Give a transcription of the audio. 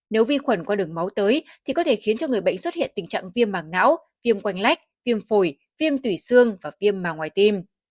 nếu vi khuẩn qua đường máu tới thì có thể khiến cho người bệnh xuất hiện tình trạng viêm mảng não viêm quanh lách viêm phổi viêm tủy xương và viêm màng ngoài tim